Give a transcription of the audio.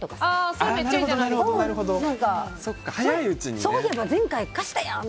そういえば前回貸したやん！